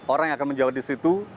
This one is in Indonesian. orang yang akan menjawab di situ